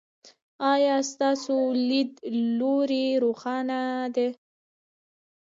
ایا ستاسو لید لوری روښانه دی؟